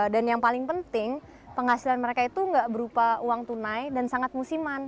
dan yang paling penting penghasilan mereka itu nggak berupa uang tunai dan sangat musiman